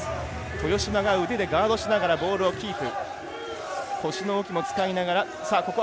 豊島が腕でガードしながらボールをキープ。